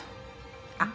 あっ。